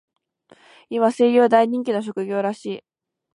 今、声優は大人気の職業らしい。